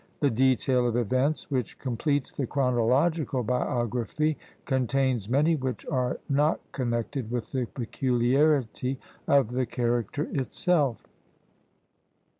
The detail of events which completes the chronological biography, contains many which are not connected with the peculiarity of the character itself.